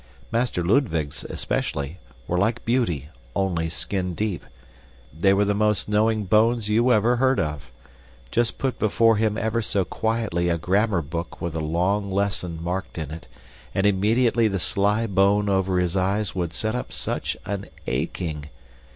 Master Ludwig's, especially, were like beauty, only skin deep; they were the most knowing bones you ever heard of. Just put before him ever so quietly a grammar book with a long lessons marked in it, and immediately the sly bone over his eyes would set up such an aching!